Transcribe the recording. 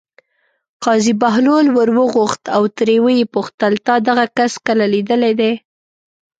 قاضي بهلول ور وغوښت او ترې ویې پوښتل: تا دغه کس کله لیدلی دی.